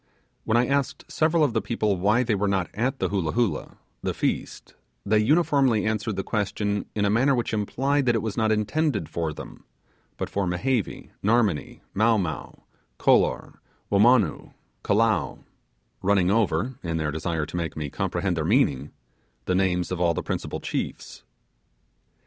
When I asked several of the people why they were not at the 'Hoolah Hoolah' (the feast), their uniformly answered the question in a manner which implied that it was not intended for them, but for Mehevi, Narmonee, Mow Mow, Kolor, Womonoo, Kalow, running over, in their desire to make me comprehend their meaning, the names of all the principal chiefs.